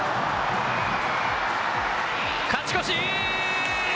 勝ち越し！